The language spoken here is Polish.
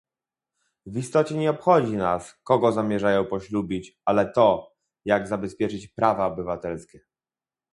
W istocie nie obchodzi nas, kogo zamierzają poślubić, ale to, jak zabezpieczyć prawa obywatelskie